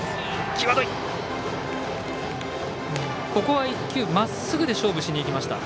ここは１球まっすぐで勝負しにいきました。